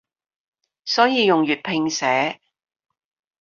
所以用粵拼寫